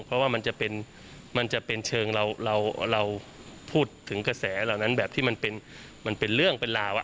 เพราะว่ามันจะเป็นเชิงเราพูดถึงกระแสเหล่านั้นแบบที่มันเป็นเรื่องเป็นราว